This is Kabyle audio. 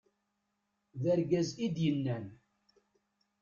d argaz i d-yennan